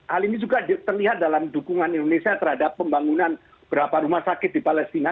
hal ini juga terlihat dalam dukungan indonesia terhadap pembangunan beberapa rumah sakit di palestina